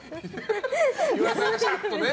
岩井さんがシャーっとね。